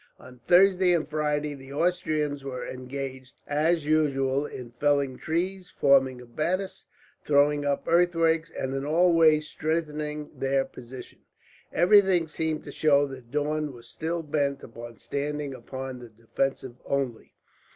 On Thursday and Friday the Austrians were engaged, as usual, in felling trees, forming abattis, throwing up earthworks, and in all ways strengthening their position. Everything seemed to show that Daun was still bent upon standing upon the defensive only.